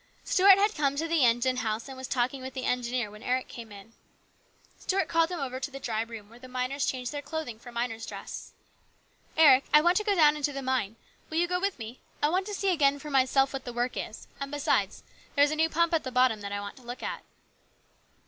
Stuart had come to the engine house and was talking with the engineer when Eric came in. Stuart called him over to the dry room where the miners changed their clothing for miner's dress. " Eric, I want to go down into the mine. Will you go with me ? I want to see again for myself what the work is ; and, besides, there is a new pump at the bottom that I want to look at."